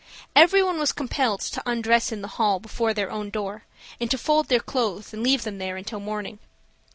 Every one was compelled to undress in the hall before their own door, and to fold their clothes and leave them there until morning.